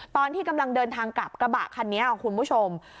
ตอนที่กำลังเดินทางกลับกระบะคันนี้ค่ะคุณผู้ชม